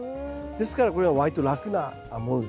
ですからこれは割と楽なものですね。